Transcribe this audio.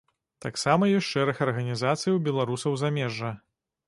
Таксама ёсць шэраг арганізацый у беларусаў замежжа.